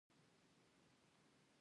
مالستان ولسوالۍ غرنۍ ده؟